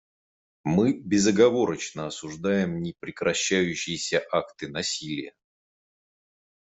Мы безоговорочно осуждаем непрекращающиеся акты насилия.